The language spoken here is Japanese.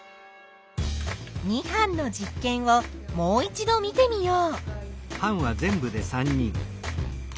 ２班の実験をもう一度見てみよう。